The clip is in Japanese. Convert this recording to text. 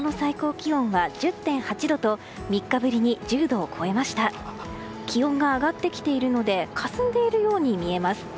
気温が上がってきているのでかすんでいるように見えます。